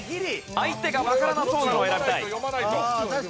相手がわからなそうなのを選びたい。